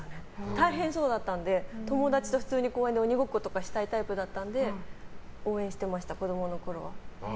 大変そうだったので友達と普通に公園で鬼ごっことかしたいタイプだったので応援してました、子供のころは。